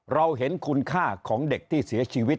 เราเห็นคุณค่าของเด็กที่เสียชีวิต